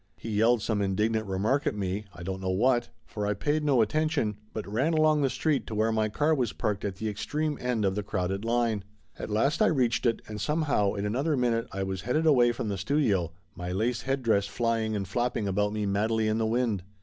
He yelled some indignant remark at me, I don't know what, for I paid no atten tion, but ran along the street to where my car was parked at the extreme end of the crowded line. At last I reached it, and somehow in another minute I was headed away from the studio, my lace headdress flying and flapping about me madly in the wind.